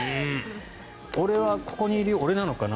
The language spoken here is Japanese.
俺はここにいるよ俺なのかな？